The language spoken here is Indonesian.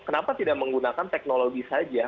kenapa tidak menggunakan teknologi saja